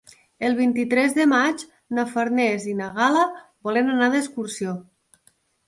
El vint-i-tres de maig na Farners i na Gal·la volen anar d'excursió.